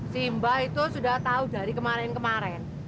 simba itu sudah tahu dari kemarin kemarin